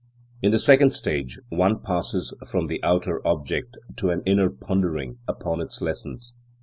In the second stage, one passes from the outer object to an inner pondering upon its lessons.